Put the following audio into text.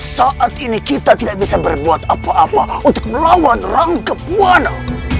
saat ini kita tidak bisa berbuat apa apa untuk melawan rangkep buana